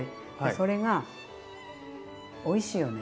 それがおいしいよね。